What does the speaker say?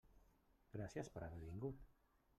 Gràcies per haver vingut.